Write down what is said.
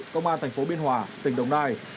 công an tp biên hòa tỉnh đồng nai